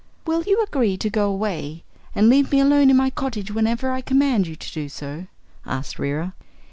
"Will you agree to go away and leave me alone in my cottage, whenever I command you to do so?" asked Reera.